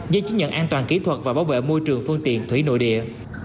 giấy chứng nhận an toàn kỹ thuật và bảo vệ môi trường phương tiện thủy nội địa